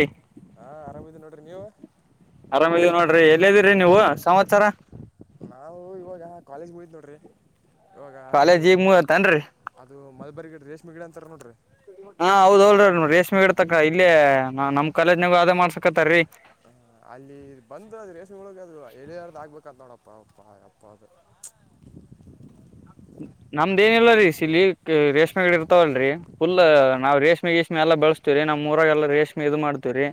ಏ ಹಾ ಆರಾಮಿದೀನಿ ನೋಡ್ರಿ ನೀವು ಆರಾಮ ಇದೀವಿ ನೋಡ್ರಿ ಎಲ್ಲ ಇದಿರಿ ನೀವು ಸಮಾಚಾರ ನಾವು ಇವಾಗ ಕಾಲೇಜ್ ಮುಗೀತು ನೋಡ್ರಿ ಇವಾಗ ಇದು ಕಾಲೇಜಿ ಈಗ ಮುಗಿತೇಂಡ್ರಿ ಅದು ಮಲ್ಬರಿಗಿಡ ರೇಷ್ಮ ಗಿಡಿ ಅಂತಾರ ನೋಡ್ರಿ. ಹಾ ಹೌದೌಲ್ರಿ ರೇಷ್ಮೆ ಆ, ಗಿತಕ್ಕ ಇಲ್ಲೇ ನಮ್ ಕಾಲೇಜ್ನ ಅ ಆದೇ ಮಾಡ್ಸಕತ್ತಾರಿ. ಆ, ಅಲ್ಲಿ ಬಂದ್ ಅದು ರೇಷ್ಮಗಲೋಳಗೆ ಅದು ಎಳಿಯಾರದ ಆಗ್ಬೇಕಂತ ನೋಡಪ್ಪ ಯಪ್ಪ ಅಪ್ಪ ಅದು. ನಮ್ದ ಏನಿಲ್ರಿ ಸಿಲಿ ರೇಷ್ಮೆ ಇರ್ತಾವಲ್ರರಿ ಫುಲ್ ನಾವ್ ರೇಷ್ ರೇಷ್ಮೆ ಎಲ್ಲ ಬೆಳಸ್ತೀವ್ರಿ ನಮ್ಮ್ಊರಾಗ ಎಲ್ಲ ರೇಷ್ಮೆ ಇದು ಮಾಡ್ತೀವ್ರಿ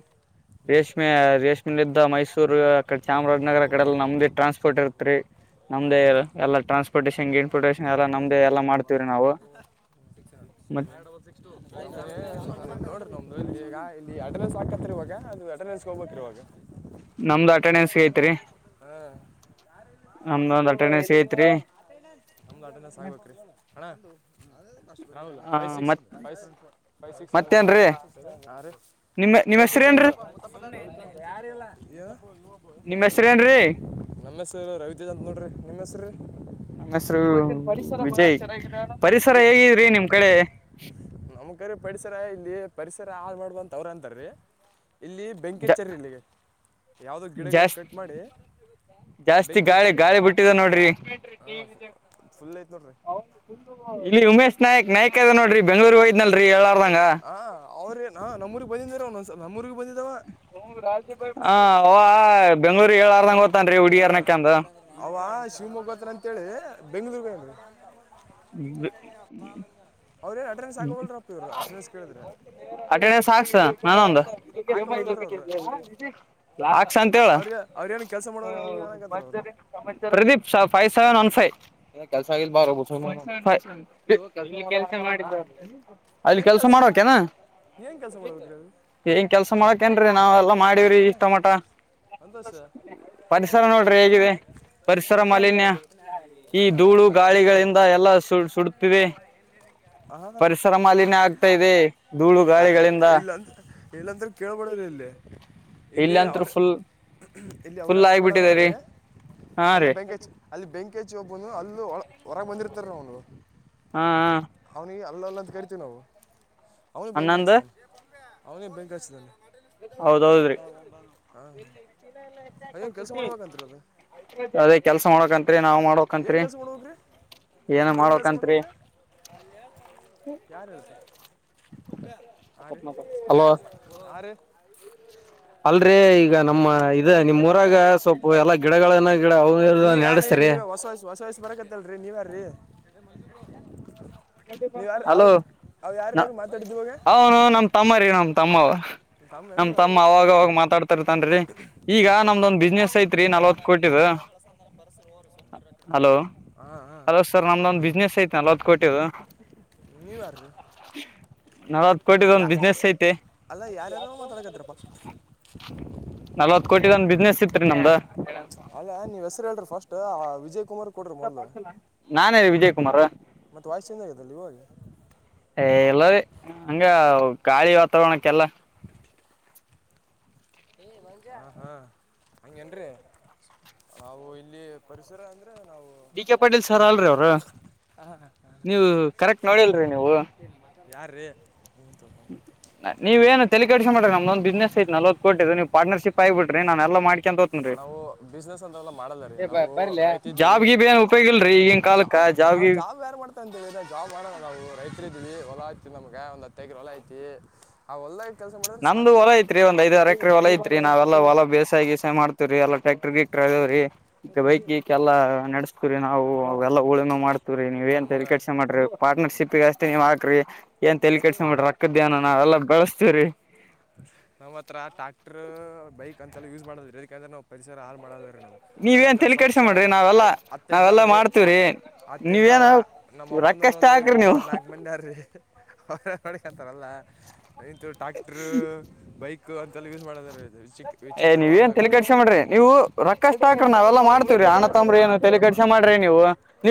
ರೇಷ್ಮೆ ರೇಷ್ ಇಲ್ಲಿದ್ದ ಮೈಸೂರು ಅಕಡೆ ಚಾಮರಾಜನಗರ ಕಡೆಲ್ಲ ನಮ್ದೆ ಟ್ರಾನ್ಸ್ಪೋರ್ಟ್ ಇರ್ತ್ರಿ. ನಮ್ದೆ ಎಲ್ಲ ಟ್ರಾನ್ಸ್ಪೋರ್ಟೇಷನ್ ಗಿ. ಟ್ರಾನ್ಸಪ್ರೊಟೇಷನ್ ಎಲ್ಲ ನಮ್ದೇ ಎಲ್ಲ ಮಾಡ್ತೀವ್ರಿ ನಾವು ಮತ್ [inaudible] ಈಗ ಇಲ್ಲಿ ಅಡ್ರೆನ್ಸ್ ಹಾಕತ್ರಿ ಇವಾಗ ಅದು ಅಡ್ರೆಸ್ಗೆ ಹೋಗ್ಬೇಕ್ರ ಇವಾಗ. ನಮ್ದು ಅಟೆಂಡೆನ್ಸ್. ಐತ್ರಿ [unintelligible] ಹಾ [unintelligible] ನಮ್ದ ಒಂದ್ ಅಟೆಡಸ್ ಐತ್ರಿ. ನಮ್ದ ಆಟೆನ್ಸ್ ಆಗ್ಬೇಕ್ರೀ ಅಣ್ಣಾ ರಾಹುಲ್ ಆ ಫೈವ್ ಸಿಕ್ಸ್ ಮತ್ ಫೈ ಸೇ ಫೈ ಸಿಕ್ಸ್ ಸೆವೆನ್ ಜೀರೋ ನಿಮ್ ನಿಮ್ಮ ಹೆಸ್ರ ಏನ್ರಿ. [unintelligible] ಯಾರಿಲ್ಲ [unintelligible] ನಿಮ್ ಹೆಸ್ರೇನ್ರೀ ನಮ್ಮ ಹೆಸರು ರವಿಚಂದ್ರ ನೋಡ್ರಿ ನಿಮ್ಮ ಹೆಸ್ರೀ. ನಮೆಸ್ರು ವಿಜಯ್ ಪರಿಸರ ಹೇಗಿದ್ರಿ ನಿಮ್ ಕಡೆ. ನಮ್ ಕಡಿ ಪರಿಸರ ಇಲ್ಲಿ ಪರಿಸರ ಹಾಳ್ ಮಾಡ್ಬಂತ ಅವ್ರ ಅಂತರ್ರಿ. ಇಲ್ಲಿ ಜ ಬೆಂಕಿಚ್ಚರಿಲ್ಲಿ ಇಲ್ಲಿ ಯಾವುದೋ ಗಿಡಗಳು ಜಾಸ್ತಿ ಕಟ್ ಮಾಡಿ. ಜಾಸ್ತಿ ಬೆಂಕಿ ಹಚ್ಚಿ ಗಾಳಿ ಗಾಳಿ ಬಿಟ್ಟಿದೆ ನೋಡ್ರಿ. ಹಾಂ ಫುಲ್ ಐತೆ ನೋಡ್ರಿ ಇಲ್ಲಿ ಉಮೇಶ್ ನಾಯಕ್ ನಾಯಕ್ ಅದಾನ ನೋಡ್ರಿ ಬೆಂಗ್ಳುರ್ ವೊಗಿದ್ನಲ್ರರಿ ಎ ಹೇಳಾರದಂಗ. ಹಾ ಅವ್ರೇನ ನಮೂರಿಗೆ ಬಂದಿದಿರು ಒನ್ ಸಲ ನಮ್ಮ ಊರಿಗೆ ಬಂದಿದಾವ. ಹ ಅವ ಬೆಂಗ್ಳೂರಿಗೆ ಹೇಳಾರ್ದಂಗೆ ಹೋಗ್ತಾಂನ್ರಿ ಹುಡ್ಗಿರ್ಣಕ್ಯಂದು. ಅವ ಶಿವಮೊಗ್ಗ ಹತ್ರ ಅಂತೇಳಿ ಬೆಂಗಳೂರ್ಗ ಹೋಗ್ಯಾಂರಿ. [unintelligible] ಅವ್ರೇನ್ ಅಡ್ರೆನ್ಸ್ ಆಗವಲ್ರಪ್ಪ ಇವ್ರು. ಅಟೆಂಡೆನ್ಸ್ ಕೇಳಿದ್ರೆ ಅಟೆಂಡೆನ್ಸ್ ಸಾಕ್ಸ ನಂದ್ ಒಂದ್. ಹಾಕೋವಲ್ರಿ ಅವ್ರು ಹಾಕ್ಸ್ ಅಂತ ಹೇಳ್. ಅವ್ರಿಗೆ ಅವ್ರೇನು ಕೆಲಸ ಮಾಡೋರು ಅವ್ರು ಏನಾಗತ್ತಾರ ಅವ್ರು Pradeep five seven one five. ಅಲ್ಲಿ ಏನು ಕೆಲ್ಸ ಕೆಲಸ ಮಾಡಬೇಕೆನ. ಏನು ಕೆಲಸ ಮಾಡ್ಬೇಕ್ರಿ ಅದು ಏನ್ ಕೆಲ್ಸ ಮಾಡಕೇನ್ರಿ ನಾವ ಎಲ್ಲಾ ಮಾಡಿವ್ರಿ ಇಷ್ಟ ಮಟ. ಅಂತಸ ಪರಿಸರ ನೋಡ್ರಿ ಹೇಗಿದೆ ಪರಿಸರ ಮಾಲಿನ್ಯ [inaudible] ಎಲ್ಲ ಸು ಸುಡತಿದೆ ಹಾಂ ಪರಿಸರ ಮಾಲಿನ್ಯ ಆಗ್ತಾ ಇದೆ. ಧೂಳು ಗಾಳಿಗಳಿಂದ [unintelligible] ಇಲ್ಲ ಇಲ್ಲಂದ್ರ ಕೇಳಬೇಡದ ಎನ್ ಇಲ್ಲಿ ಇಲ್ಲಂತೂ ಅವರ್. ಫುಲ್ ಇಲ್ಲಿ ಅವರೇ ಫುಲ್ ಆಗಿಬಿಟ್ಟಿದೆ ರೀ ಮಾಡ್ಬೇಡದಂತಾರೀ ಹಾ ಅಲ್ಲಿ ರೀ ಬೆಂಕ್ ಹೆಚ್ ಅಲ್ಲಿ ಬೆಂಕಿ ಹೆಚ್ಚಿ ವಬ್ಬನು ಅಲ್ಲು ಹೊರಗ ಬಂದಿರ್ತಾರೆ ಅವ್ನ. ಹಾ ಹಾ ಅವನಿಗಿ ಅಲ್ಲ ಅಲ್ಲ ಅಂತ ಕರಿತೀವಿ ನಾವು. ಅವನು ಬೆಂಕ ಹನ್ನೊಂದು ಹಚ್ಚಿದ್ದಾನ ಅವನಿಗೆ ಬೆಂಕ ಹಚ್ಚಿದಾನ. ಹೌದೌದ್ರಿ ಏನು ಕೆಲಸ ಮಾಡ್ಬೇಕಂತ್ರಿ ಅದು ಅದೇ ಕೆಲ್ಸ ಮಾಡಕಂತ್ರಿ ನಾವು ಮಾಡಬೆಕಾಂತ್ರಿ. [unintelligible] ಎನ್ ಎನ್ ಕೆಲ್ಸ ಮಾಡ್ಬೇಕು [unintelligible] ಯಾರು [unintelligible] ಹಾ ರೀ ಅಲೋ [unintelligible] ಹಾ ರೀ. ಅಲ್ರೀ ಈ.... ಈಗ ನಮ್ಮ ಇದ ನಿಮ್ಮ್ಊರಾಗ ಸ್ವಲ್ಪ ಎಲ್ಲಾ ಗಿಡಗಳನ್ನ ಗಿಡ ನೀವು [unintelligible] ಯಾರ್ರಿ ನೆಡಸರಿ ನೀವೇ ಹೊಸ [unintelligible] ಬರ [unintelligible] [unintelligible] ನೀವ್ ಯಾರ್ ರೀ ಎ ಮಂಜೂ ಬ್ರೋ ನೀವು ಯಾರ ಹಲೋ ಅವರ ಯಾರ್ ನ ಮಾತಾಡಿದ ಇವಾಗ.... ಅವನು ನಮ್ ತಮ್ಮ ರೀ ನಮ್ ತಮ್ಮ ಅವ... ನಮ್ ತಮ್ಮ ಅವಾಗವಾಗ ಮಾತಾಡ್ತಾರತನ್ರೀ ಈಗ ನಮ್ದೊಂದ ಬಿಸ್ನೆಸ್ ಐತ್ರಿ ನಲ್ವತ್ ಕೋಟಿದ..... ಹಲೋ [unintelligible] ಹಾಂ ಹಲೋ ಸರ್ ನಮ್ದೊಂದ ಬಿಸ್ನೆಸ್ ಐತಿ ನಲ್ವತ್ತು ಕೋಟಿದು ನೀವ್ ಯಾರ್ ರೀ..... ನಲವತ್ತ ಕೋಟಿದು ಒಂದ್ ಬಿಸ್ನೆಸ್ ಐತೆ... ಅಲ್ಲ ಯಾರ್ಯಾರೋ ಮಾತಾಡಕತಿರಪ್ಪಾ. ನಲ್ವತ್ ಕೋಟಿ ಒಂದ ಬಿಸ್ನೆಸ್ ಇತ್ ರಿ ನಮ್ದ... ಅಲ್ಲ ನೀವ್ ಹೆಸರ ಹೇಳ್ರಿ ಫಸ್ಟ್ ಆ ವಿಜಯ ಕುಮಾರ್ ಕೊಡ್ರಿ ಮೊದಲು [unintelligible] ನಾನೇ ರಿ ವಿಜಯ ಕುುಮಾರ್ ಮತ್ತು ವಾಯ್ಸ್ ಚೇಂಜ್ ಆಗೈತಲ್ಲ ಇವಾಗ ಏ ಇಲ್ಲಾ ವೆ ಹಂಗ ಗಾಳಿ ವಾತಾವರಣಕ್ಕೆಲ್ಲ ಏ ಹೊಜ್ಜ ಹ ಹ ಹ್ಹಂಗೇನ ರಿ ಅವು ಇಲ್ಲಿ ಪರಿಸರ ಅಂದ್ರ. ನಾವು... ಡಿ ಕೆ ಪಾಟೀಲ್ ಸರ್ ಅಲ್ರರಿ ಅವರು ನೀವು ಕರೆಕ್ಟ್ ನೋಡಿಲ್ರರಿ ನೀವು. ಯಾರ ರ ಹ [unintelligible] ನೀವ ಏನ ತಲೆ ಕೆಡೆಸಕೋಬೇಡರಿ ನಮದ ಒಂದ ಬಿಸಿನೆಸ್ ಐತಿ ನಲ್ವತ್ತು ಕೊಟ್ಟಿದ್ದ ನೀವ ಪಾರ್ಟನರ್ಶಿಪ್ ಆಗ್ಬಿಡ್ರಿ ನಾನ ಎಲ್ಲಾ ಮಾಡಿ. [unintelligible] ನಾವು ಬಿಸ್ನೆಸ್ ಅಂತೆಲ್ಲ ಮಾಡಲ್ಲ ರೀ ಈ ಪ ನಾವು ಬರೀಲ್ಯ ರೈತ ಜಾಬ ಗಿಬ್ ಏನ್ ಉಪಯೋಗಿಲ್ರರಿ ಈಗಿನ ಕಾಲಕ್ಕ. ನಾವ್ ಜಾಬ್ ಯಾರ್ ಮಾಡ್ತ. ಅಂತ ಜಾಬ್ ಮಾಡಲ್ಲ ನಾವು ರೈತರ ಇದ್ದೀವಿ ಹೊಲಾ ಐತಿ ನಮಗ ಒಂದ್ ಹತ್ತ ಎಕರೆ ಹೊಲಾ ಐತಿ ಆ ಹೊಲ್ದಗ ಕೆಲಸ ಮಾಡಿದ್ರ ಸಾಕ್ರಿ. ತ್ರಿ ಒಂದ್ಐದರ ಎಕ್ರರೆ ಹೊಲ ಐತ್ರಿ ನಾವೆಲ್ಲ ಹೊಲ ಬೇಸಾಯ ಗಿಸಾಯ ಮಾಡ್ತವ್ರರಿ ಎಲ್ಲ ಟ್ಯಾಕ್ಟರ್ ಗಿಕ್ಟರ್ ಅದಾವ ರಿ. ಈಗ ಬೈಕಿಗೀಕಕ್ಕೆಲ್ಲಾ ನಡೆಸ್ತೀರಿ ನಾವು ಅವೆಲ್ಲಾ ಊಳನ ಮಾಡ್ತವಿ. ರಿ ನೀವ ಏನ್ ನಮಗೆ ತಲೇಕೆಸಕೋ ಬೇಡ್ರಿ ಪಾರ್ಟನರ್ಶಿಪ್ಗಷ್ಟ... ನೀವ ಹಾಕ್ರಿ ಏನ್ ತಲಿಕೆಸ ಬೇಡರಿ ರಕ್ಕದ ದೇನ ನಾವ ಎಲ್ಲ ಬೆಳಸ್ತವ್ರರಿ. ನಮ್ಮ ಹತ್ರ ಟ್ಯಾಕ್ಟ್ರ್ ಬೈಕ್ ಅಂತೆಲ್ಲ ಯೂಸ್ ಮಾಡದ್ರೀ ಯಾಕೆಂದ್ರೆ ನಾವು ಪರಿಸರ ಹಾಳ ಮಾಡೋದ್ರೀ ನಾವು... ನಮ್ಮ ನೀವೇನ್ ಹತ್ರ ತಲಿ ಸ್ವಚ್ಛ ಕೆಡ್ಸ್ಕೊಬ್ಯಾಡ್ರಿ ಐ ನಾವೆಲ್ಲಾ ಹತ್ತ ನಾವೆಲ್ಲಾ ಇದ್ದವ್ರೆ. ಮಾಡ್ತೀವ್ರಿ ಅತ್ತದ್ದಾವ ನೀವೇನ ನಮ್ಮ್ ಅಪ್ಪನವರು ರೊಕ್ಕಷ್ಟೇ ಒಂದು ಹಾಕ್ರಿ ಮೂವರ್ ನೀವು ನಾಲ್ಕ ಮಂದಿ ಆರೀ. ಹರಾ [unintelligible] ಮಾಡಕ್ತಾರಲ್ಲ ಇಂತು ಟಾಕ್ಟರು. ಬೈಕ್ ಅಂತೆಲ್ಲ ಯೂಸ್ ಮಾಡದರಿ ಏ ನೀವ ಏನ್ ತಲೆ ಕಡಸ ಮಾಡ್ರಿ ನೀವು ರೊಕ್ಕಷ್ಟ ಹಾಕ್ರ ನಾವೆಲ್ಲ ಮಾಡ್ತೀವ್ರೀ ಅಣ ನಮ್ಮ ತಂಬ್ರರಿ ಏನ್... ಆ- ತಲೆ ನಮ್ಮ ಕೆಡ್ಸ ಮಾಡ್ರಿ ನೀವು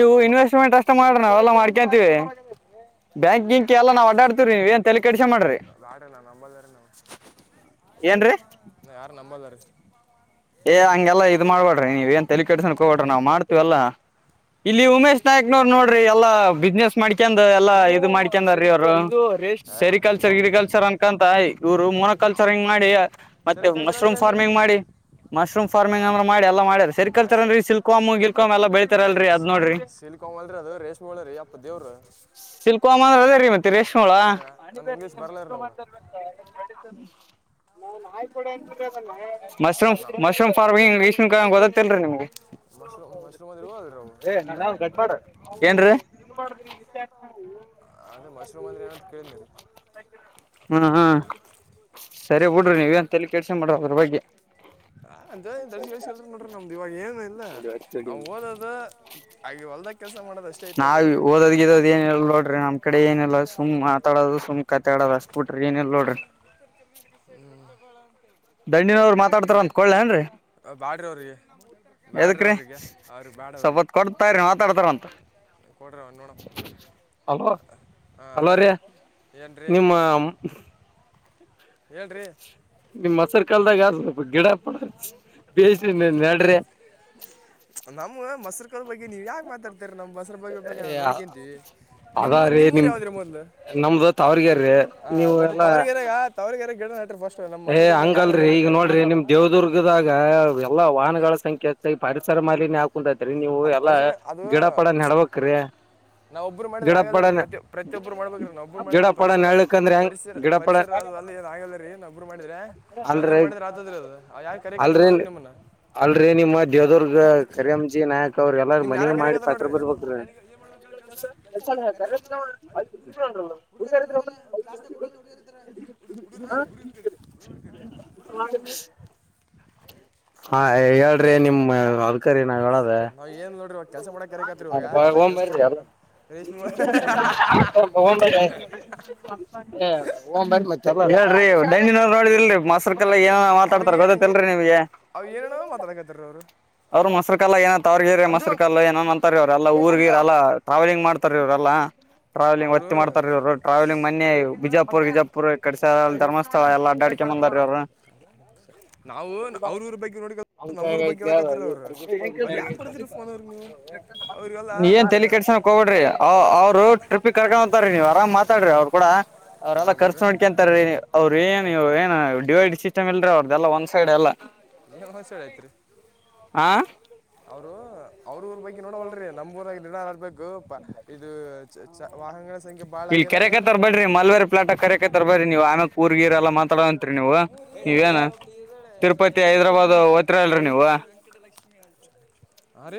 ಆ ನಮ್ಮ ಇನ್ವೆಸ್ಟ್ಮೆಂಟ್ ಅಷ್ಟ ಮಾಡ್ರಿ ನಾವೆಲ್ಲ ಮಾಡ್ಕೊಂತೀವಿ... ಬ್ಯಾಂಕಿ ಗಿಂಕಿ ಎಲ್ಲ ನಾವು ಅಡ್ಡಡ್ತಿವರಿ ನೀವ ಏನ್ ತಲಿ ಕೆಡಸ ಮಾಡ್ರಿ. ಬಾರಣ [unintelligible] ನಮ್ಮಲ್ಲರ. ಏನ್ ರೀ... ನ ಯಾರು ನಂಬಲ್ಲ ರೀ... ಸ್ ಏ ಹಂಗೆಲ್ಲ ಇದ್ ಮಾಡ್ಬಡ್ರಿ ನೀವ ಏನ್ ತಲಿ ಕೆಡಿಸನ್ಕ ಹೋಗಬಡ್ರ ನಾ ಮಾಡ್ತೀವಲ್ಲಾ... ಇಲ್ಲಿ ಉಮೇಶ್ ನಾಯಕ್ನವರು ನೋಡ್ರಿ ಎಲ್ಲಾ ಬಿಸ್ನೆಸ್ ಮಾಡ್ಕಂದ್ ಎಲ್ಲಾ ಇದ ಮಾಡ್ಕಂದಾರೀ ಅವರು. ಇದು ರ ಸೆರಿಕಲ್ಚರ್ ಗಿರಿ ಕಲ್ಚರ್ ಅನ್ಕಂತ ಇವ್ರು ಮೊನೊಕಲ್ಚರಿಂಗ್ಗ್ ಮಾಡಿ. ಸರಿ ಮತ್ತೆ ಕೆಲಸ ಅಂದ್ರೆ ಮಶ್ರೂಮ್ ಏನ್ರಿ ಫಾರ್ಮಿಂಗ್ ಮಾಡಿ ಮಶ್ರೂಮ್ ಫಾರ್ಮಿಂಗ್ ಅಂದ್ರ ಮಾಡಿ ಎಲ್ಲಾ ಮಾಡ್ಯರ. ಸರಿ ಆ ಕಲ್ಚರ್ ಅಂದ್ರ ಸ್ಲಿಕ್ಕಮೊ ಗೀಳ್ಕೊಮೊ ಎಲ್ಲ ಬೆಳತಾರಲ್ರರಿ ಅದ್ ನೋಡ್ರಿ. ಸಿಲ್ಕೊಂಬಲ್ರಿ ಅದು ರೇಷ್ಮೆ ಹುಳ ರೀ ಅಪ್ಪ ದೇವ್ರು ಸಿಲ್ಕ ಹಮ್ಮ ಅಂದ್ರ ಅದೇೀ ಮತ್ತ ರೇಷ್ಮೆಳ... ನಮ್ಗೆ ನಮ್ಗೆ ಇಂಗ್ಲೀಷ್ ಬರಲ್ಲ ರೀ ನಮ್ಗೆ ನಾನ್ ಹಾಯ್ ಕೊಡ ಅನ್ ಅದ. ಮಶ್ರೂಮ್ ನಾವು ಮಶ್ರೂಮ್ ಫಾರ್ಮಂಗ್ ಇಷ್ಟನ್ ಗದತ್ತಲ್ರಿಮಗೆ... ಮಶ್ರೂಮ್ ಮಶ್ರೂಮ್ ಅಂದ್ರೆ ಹೋಗಲ್ಲ ರೀ ಅವು ಏ ನನ್ ಕಟ್ ಮಾಡಾಡ ಏನ್. ಅದೇ ಮಶ್ರೂ್ಂದ್ರರೆ ಏನಂತ ಕೇಳಿನನ ರೀ... ಹ್ಮ್ ಹ್ಮ ಸರಿ ಬಿುಡ್ರಿ ನೀವ ಅಂತಲ್ಲಿ ಕೆಲ್ಸ ಮಾಡದ್ರ ಬಗ್ಗೆ. ಹಾ ಅಂತ ದಡಸಿಳ್ಸ ಕಿ ನೋಡ್ರಿ ನಮ್ದು ಇವಾಗ ಏನು ಇಲ್ಲ ನಾವು ಓದದ. ನಾವ ಓದೋದ್ಗೋದ್ ಏನಲ್ಲ ನೋಡ್ರಿ ನಮ್ ಕಡೆ ಏನಲ್ಲ ಸುಮ್ಮ್ ಮಾತಾಡೋದು ಸುಮ್ನೆ... ಕತ್ತಾಡದ ಅಷ್ಟ ಬಿಟ್ರಿ ಏನಲ್ ನೋಡ್ರಿ. ತಂತೆ [unintelligible] ದಣಂಡಿನವರು ಮಾತಾಡ್ತಾರಂತ. ಬಾಡ್ರಿ ಅವ್ರಿಗೆ ಬ್ಯಾಡ್ರಿ ಅವ್ರಿಗೆ ಅವ್ರಿಗೆ ಬಾಡ... ಸ್ವಲ್ಪತ್ತು ಕೊಡ್ತಾ ರೀ ಮಾತಾಡ್ತಾರಂತ. ಕೊಡ್ರ ಒ ನೋಣ ಹಾಂ ಅಲೋ ರೀ ಏನು ರೀ... ಆಮ [inaudible] ಹೇಳರೀ ನಿಮ್ ಮೊಸರ್ ಕಾಲ್ದಾಗ ಆದ ಸ್ವಲ್ಪ ಗಿಡ ಪಡ ಬೇಯ್ರಿ ನೆಡ್ರಿ... ನಮ ಮೊಸರು ಕಲ್ ಬಗ್ಗೆ ನೀವ್ ಯಾಕ ಮಾತಾಡ್ತರ ನಮ್ಮ ಬ... ರ ಬಗ್ ಬಗೆ ನಾವು ನೋಡ್ಕೊಂತೀವಿ... ಅದ ನಿಮ್ರ್ ನಿಮ್ಮ್ರ್ ಯಾವ್ದ್ರಿ ಮೊದ್ಲು ನಮ್ ಹ ಅದ ಮತ್ತೆ ತವ್ರಗ ಇರಾಗ. ತ ಏ ಹಂಗಲ್ರಿ ಈಗ ನೋಡ್ರಿ ನಿಮ ದೇವದುರ್ಗದಾಗ ಎಲ್ಲಾ ವಾಹನಗಳ ಸಂಖ್ಯೆಚ್ಚ ಪರಿಸರ ಮಾಾಲಿನಯಾ ಕುಂತತ್ರಿ ನೀವು ಅದು ಎಲ್ಲಾ ಗಿಡ ಪಡ ನೆಡ್ಬಕ್ ನಾವ್ ಒಬ್ಬರು ಮಾಡಿದ್ರೆ ಹಾಗಾದ್ರೀ ಪ್ರತಿ ಪ್ರತಿಯೊಬ್ಬರು ಮಾಡ್ಬೇಕ್ರ ನಾವೊಬ್ರು ಗಿಡ ಮಾಡಿದ್ರೆ ಪರಿಸರ ಅಂದ್ರೆ ಹೆಂಗ್ ಪರಿಸರ ಗಿಡಪಡ ಪರಿಸರ ಅ ಆಗಲ್ಲರಿ ನೊಬ್ಬರು ಮಾಡಿದ್ರ ಎಲ್ದಾರ ಅಲ್ರಿ ಮಾಡಿದ್ರ ಆತದರಿ ಅದು ಯಾ ಕರಿಕತ ನೋಡ್ರಿ ನಿಮ್ಮನ್ನ ಅಲ್ರರಿ ನಿಮ್ಮ ದೇವದುರ್ಗ ಕರಿಂಜಿ ನಾಯಕ್ ಅವ್ರ ಎಲ್ಲಾರ ನಿಮ್ ಯಾರ ಮನವಿ ಮಾಡಿ ಕರತ್ತ ಪತ್ರ ನೋಡ್ರಿ ಬರ್ಬೇಕ್ರೀ ನ್ ಮಾಡ್ ಕೆಲ್ಸ ಹ ಹುಡುಗ ಹೋಗಲ್ಲ್ಲಾಕ್ಡ ಹುಗ ಹಾ ಹೇಳ್ರಿ ನಿಮ್ ಕರಿ ನ ಹೇಳದ. ನಾವು ಏನು ನೋಡ್ರಿ ಇವಾಗ ಕೆಲಸ ಮಾಡಕ್ಕೆ ಕರಿಕತ್ರಿ ಇವಾಗ ಹೊಲ್ದಾಗ ಒಓರಿ ಕೆಲಸ ಮಾಡ್ಬೇಕು ರೇಷ್ಮೆ ಮತ್ತ ಹೇಳರಿ ಡಂಡಿನವ್ ನೋಡಿದಿಲ್ರಿ ಮಸರ್ಕಲ್ಲ ಏನ ಅವು ಮಾತಾಡ್ತಾರ ಏನು ಗೊತ್ತಲ್ರಿ ನಿಮಗೆ ಅವು ಏನ ಮಾತಾಡಕತ್ತಾರ ಅವರು ಅವ್ರ ಮೊರು ಕಲ್ಲ ಏೋ ತವರ್ಗಿದ್ರ ಮೊಸ ಕಾಲ್ಲ ಏನನ್ ಅಂತಾರೆರಿ ಅವ್ರಲ್ಲ ಊರ್ಗಿರಲ್ಲಾ ಟ್ರಾವೆಲಿಂಗ್ ಮಾಡ್ತಾರೆ ಇವ್ರಲ್ಲ ಟ್ರಾವೆಲಿಂಗ್ ಹೊತ್ತಿ ಅವರು ಮಾಡ್ತಾರಲ್ರು ಟ್ರಾವೆಲಿಂಗ್ ಮಿ ಬಿಜಾಪುರ್ ಬಿಜಾಪುರ್ ಕಸ ಧರ್ಸ್ಥ ನಾವು ಅವ್ರೂ್ರ ಬಗ್ಗೆ ನೋಡ ನಮ್ಮೂ್ರ ಬಗ್ಗೆ ಹೇಳಕತ್ತಾರ ಅವ್ರು ಅವ್ರು ಯಾಕೆ ಕೊಡ್ತೀರಿ ಫೋನ್ ಅವ್ರಿಗೆ ನೀವು ಅವ್ರಿಗೆಲ್ಲ ನೀ ಏನ್ ಮತ್ತೆ ತಲಿ ಕೆಡ್ಸ ಕಡ್ರಿ ಅವ್ರು ಟ್ರಿಪ್ಗೆ ಕರ್ಕೊಂತಾರೀ ನೀವ್ರಾಮ ಮಾತಾಡ್ರಿ ಅವ್ರು ಕೂಡ ಅವ್ರೆಲ್ಲಾ ನಾನು ಕರ್ ಬಿಡ್ರಿ ನೋಡ್ಕೊ ಅಂತಾರ ರೀ ನೀ ಅವರು ಏನು ಏನು ಡಿವೈಡ್ ಸಿಸ್ಟಮ್ ಇಲ್ರೀ ಅವ್ರ್ದಲ್ಲ ಒ್ ಸೈಡ್ ಎಲ್ಲಾ ಹೊಸ ಹೇಳ ಐತ್ರಿ ಹಾ ಅವ್ರು ಅವ್ರ ಊರ್ ಬಗ್ ನೋಡ ಹೊಲ್ ನಮ್ಊರಾಗಿ ದಡರ್ಬೇಕು ಪಾ ಇದು [unintelligible] ವಾಹನಗಳ ಸಂಖ್ಯೆ ಬಾಳ ಇಲ್ಲಿ ಆಗದ ಏನು. ಕರೆಕತ್ತಾರ ಬಡ್ರಿ ಮಲ್ವೇರಿ ಫ್ಲಾಟಾಗ್ ಕರೆಯಕತಾರ್ ಬರ್ರಿ ನೀವು ಆಮೇಕ್ ಉರ್ ಗಿರ್ ಎಲ್ಲ ಮಾತಾಡೋಂತತ್ರಿ ನೀವು [unintelligible] ನೀವೇನ ಇದ್ದಾಳೆ ತಿರುಪತಿ ರವಿ ತೇಜ್ ಹೈದ್ರಾಬಾದ್ ಅಂತ ಓತಿರಲ್ರಿ ರವಿ ನೀವು ತೇಜ್ ವೆಂಕಟಲಕ್ಷ್ಮಿ ಅಂತೇಳಿ.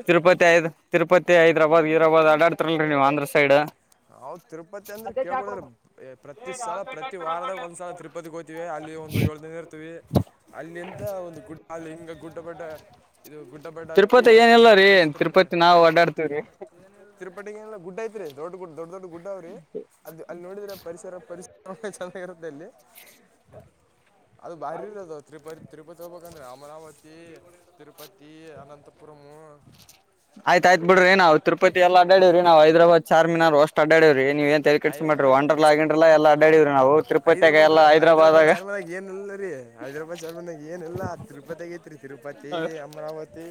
ತಿರುಪತಿ ಐದ್ ತಿರುಪತಿ ಹೈದರಾಬಾದ್ ಹೀರಾಬ್ ಆಡಡ್ತಾರಲ್ರರಿ ನೀವ್ ಆಂಧ್ರ ಸೈಡ್. ಹಾವ ತಿರುಪತಿ ಅಂದ್ರೆ [unintelligible] ಪ್ರತಿ ಸಾಲ ಪ್ರತಿ ವಾರದಾಗ ಒಂದ್ಸಲ ತಿರುಪತಿಗೆ ಹೋಗ್ತೀವಿ ಅಲ್ಲಿ ಒಂದು ಏಳ ದಿನ ಇರ್ತಿವಿ. ಅಲ್ಲಿಂದ ಒಂದು ಗುಡ್ ಅಲ್ಲಿ ಹಿಂಗ ಗುಡ್ಡ [unintelligible] ಇದು ಗುಡ್ಡ ಬಡ್ಡ ಹತ್ತಿ ತಿರುಪತಿ ಏನಿಲ್ಲ ಹತ್ತು ರೀ ನಿಮಿಷ ತಗೊಂತ್ರಿ. ತಿರುಪತಿ ನಾವು ಅಡ್ಡಾಡ್ತೀವ್ರಿ ತಿರುಪಟಿಗೆ ಎಲ್ಲ ಗುಡ್ಡ ಐತ್ರಿ ದೊಡ್ ಗುಡ್ ದೊಡ್ ದೊಡ್ ಗುಡ್ಡ ಅವ್ರಿ [unintelligible] ಅಲ್ಲಿ ನೋಡ್ರ ಪರಿಸರ ಪರಿಸ [unintelligible] ಅದು [unintelligible] ತಿರುಪತಿ ಹೋಗ್ಬೇಕಂದ್ರೆ ಅಮರಾವತಿ ತಿರುಪತಿ ಅನಂತಪುರಂ. ಆಯ್ತಾಯಯ್ತ ಬಿಡ್ರಿ ನಾವ್ ತಿರುಪತಿ ಎಲ್ಲ ಅಡಡಿದ್ರಿ ನಾವ ಹೈದರಾಬಾದ್ ಚಾರಮಿನಾರ ಅಷ್ಟ ಅಡಡರೀ ನೀವೇನ್ ತಲೆ ಕೆಡಿಸ್ಕೊಣಬೇಡ್ರಿ ಐವನದು ಒಂಡರ್ಲ ಗಿಂಡೇರ್ಲ ಎಲ್ಲ ಅಡ್ಡಾಡವ್ರಿ ನಾವು ತಿರುಪತಿ ಆಗ ಹೈದ್ರಾಬಾದ್ ಎಲ್ಲಾ ಹೈದ್ರಾಬಾದಾಗ. ಹೈದರಾಬಾದ್ ಚರ್ಮನಾಗ ಏನಿಲ್ಲ ತಿರುಪತಿಗ ಐತ್ರಿ ತಿರುಪತಿ ಅಮರಾವತಿ.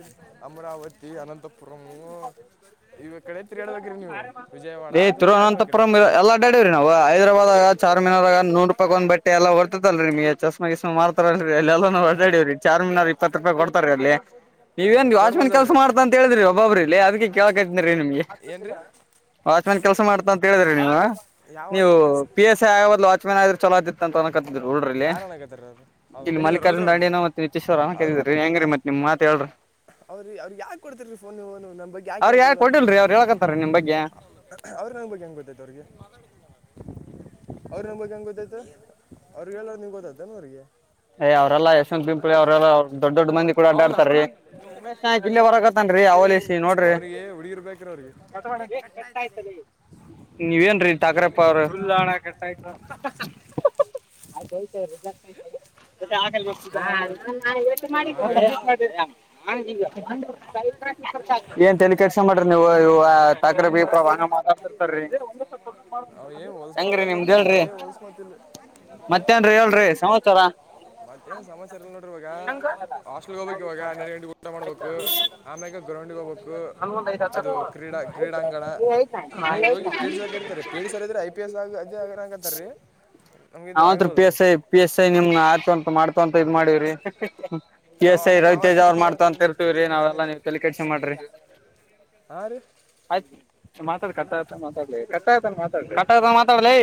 ಅಮರಾವತಿ ಅನಂತು ಪುರಂ ಇವ ಕಡೆ ತಿರುಗಾಡ್ಬೇಕ್ರಿ ನೀವು ವಿಜಯವಾಡ ಏ [unintelligible] ತಿರುಗಾಡ್ಬೇಕ್ರಿ. ತಿರುವನಂತಪುರಂ ಎಲ್ಲ ಅಡಡಿವ್ರೀ ನವು ಹೈದರಾಬಾದ್ ಆಗ ತಿರು ಚಾರ್ಮಿನರ್ಗ ನೂ ರೂಪಾಯಿಕ್ ಒಂದ ಬಟ್ಟ ಎಲ್ಲ ಹೊಡ್ತಲ್ರಿ [unintelligible] [unintelligible] ಮಾಡ್ತಾರ ಅಲ್ರಿ ಎಲ್ಲ ನಾವ್ ಅಲ್ದಾಡಿವ್ರಿ ಚಾರಮಿನಾರ್ ಇಪ್ಪತ್ ರೂಪಾಯಿ ಕೊಡ್ತಾರೀ ಅಲ್ಲಿ. ನೀವ ಏನ್ ಚೋರ್ ವಾಚ್ಮನ್ ಬಜಾರ್ ಕೆಲ್ಸ ರೀ ಮಾಡ್ತಾ ಅಂತ ಹೇಳಿದ್ರಿ ಒಬ್ಬೊಬ್ರಿ ಇಲ್ಲಿ ಅದಕ್ಕೆ ಕೇಳಕ್ತೀರೀ ನಿಮ್ಗೆ. ಏನು ರೀ ವಾಚ್ಮಾನ್ ಕೆಲ್ಸ ಮಾಡ್ತಾ ಅಂತ ಹೇಳಿದ್ರಿ ನೀವು ಯಾವ ನೀವು ವಾಚ್ ಕೆಲಸ ಪಿ [unintelligible] ಆಗೋಬದ್ಲು ವಾಚ್ಮೆನ್ ಆದ್ರರು ಚಲೋ ಆತ್ತಿತ್ತ ಅನ್ಕತಿದ್ ಉಡ್ರಿಲ್ಲಿ. ಯಾರು ಅನ್ನಕತ್ತಾರ ಅವ್ರು ಅವ್ರು ಇಲ್ಲಿ ಬೆಣ್ಣಿನವ್ರು ಅಲ್ರಿ ಮಲ್ಲಿಕಾರ್ಜುನದು ಅವನು ಅಂಡಿನ ಮತ್ತೆ ನಿಚೇಶ್ವರ ಕದಿದ್ರಿ ಹೆಂಗರಿ ಮತ್ ನಿಮ್ ಮಾತ್ ಹೇಳ್ರಿ. [unintelligible] ಯಾಕ ಕೊಡ್ತಿರ್ ರೀ ಫೋನ್ ನೀವು ನಾವ್ ಬೈ ಅವ್ರ್ ಯಾರ ಕೊಡ್ಡಿಲ್ರರಿ ಅವ್ರು ಹೇಳ್ಕಂತಾರೀ ನಿಮ್ ಬಗ್ಗೆ. ಅವ್ರಿಗೆ [unintelligible] ಹೆಂಗೆ ಗೊತ್ತೈತ ಅವ್ರಿಗೆ. ಅವ್ರಗ್ ಮತ್ತ್ ಹೆಂಗ ಗೊತ್ತೈತ ಅವ್ರಿಗೆ ಎಲ್ಲ ನಿಂಗ್ ಗೊತ್ತತನ ಅವ್ರಿಗೆ. ಯ್ ಅವರೆಲ್ಲ ಯಾಷ್ಟೊಂದು ಸಿಂಪಲ್ [unintelligible] ಅವರೆಲ್ಲ ದೊಡ್ ದೊಡ್ ಮಂದಿ ಕೂಡ ಅಡಡ್ತಾರೀ. ಉಮೇಶ್ ನಾಯಕ್ ಇಲ್ಲೇ ಬರಕತ್ತನ್ರಿ ಅವಲಸ ನೋಡ್ರಿ. ಅವರಿಗೆ ಹುಡುಗಿರ್ ಬೇಕ್ರಿ ಅವ್ರಿಗೆ [unintelligible] ನೀವ ಏನ್ರೀ ತಕ್ರಪ್ಪ ಅವ್ರ [unintelligible] ಇಲ್ಲ ಅಣ್ಣ ಕಟ್ ಅಯ್ತು. [inaudible] [unintelligible] ಹಾಂ ರೀ [unintelligible] ಏನ್ ಕೆಲ್ಸ ಮಾಡ್ರಿ ನೀವು ಇ ತಕ್ರ [unintelligible] ಅವ್ ಏನು [unintelligible] ಹೊಲ್ಸ್ ಹೆಂಗ್ರೀ ನಿಮ್ದ ಮಾತಾಡ್ತಾರೆ ಹೇಳ್ರಿ. ಬರೇ ಹೊಲ್ಸ್ ಮಾತಿಲ್ಲ ಮತ್ತೇನ್ರಿ ಹೇಳ್ರಿ ಸಮಾಚಾರ. ಮತ್ತೇನ್ [unintelligible] ಇಲ್ಲ ನೋಡ್ರಿವಾಗ ಹಾಸ್ಟೆಲ್ ಹೋಗ್ಬೇಕ್ ಇವಾಗ [unintelligible] ಊಟ ಮಾಡ್ಬೇಕು ಆಮ್ಯಾಗ ಗ್ರೌಂಡಿಗೆ ಹೋಗ್ಬೇಕು ಅದು ಕ್ರೀಡಾ ಕ್ರೀಡಾಂಗಣ. ಅಲ್ಲಿ ಹೋಗಿ [unintelligible] ಕರಿತಾರೆ [unintelligible] ಸರ್ ಇದಾರೆ ಐ ಪಿ ಎಸ್ ಆ ಅದೇ ಆಗಕಂತಾರೀ. ಅಂಗಿದ್ರೆ ನಾವಂತ್ರು ಪಿ ಆಗಬೋದಳ್ರಿ [unintelligible] [unintelligible] ಪಿ ಎಸ್ ಐ ನಿಮ್ನ ಆತ ಅಂತ ಮಾಡ್ತಂತ ಇದ್ ಮಾಡಿವ್ರಿ. [unintelligible] ನಾವು ಎಸ್ ಐ ಆಯ್ತು ನಾವು ರವಿತೇಜ ಅಷ್ಟೇ ಅವ್ರ್ ಮಾಡ್ತ ಮಾಡ್ತೀರಿ ಅಂತ ನೀವು ಪಿ ಎಸ್ ಇರ್ತಿವ್ರಿ ನಾವೆಲ್ಲಾ ನಾವೇನು ನೀವ್ ತಲಿ ಕಡಸಿ ಮಾಡ್ರಿ. ಹಾ ರೀ ಆಯ್ತ ಮಾತಾಡ ಕಟ್ಟ ಆತ ಮಾತಾಡ್ಲಿ ಕತ್ತ ಆತಾನ [unintelligible] ಮಾತಾಡ್ ಕತ ಮಾತಾಡ್ಲಿ